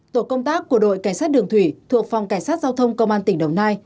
tổ công tác của đội cảnh sát đường thủy thuộc phòng cảnh sát giao thông công an tỉnh đồng nai